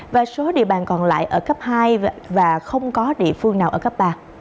và số địa bàn còn lại ở cấp hai và không có địa phương nào ở cấp ba